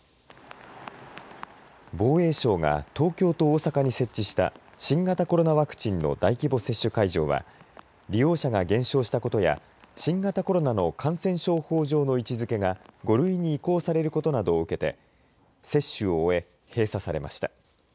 防衛省が東京と大阪に設置した新型コロナワクチンの大規模接種会場は利用者が減少したことや新型コロナの感染症法上の位置づけが５類に移行されることなどを受けて接種を終え閉鎖されました。